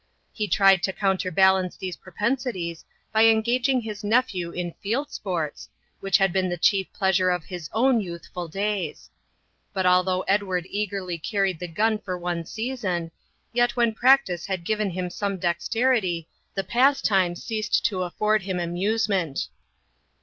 He tried to counterbalance these propensities by engaging his nephew in field sports, which had been the chief pleasure of his own youthful days. But although Edward eagerly carried the gun for one season, yet when practice had given him some dexterity, the pastime ceased to afford him amusement.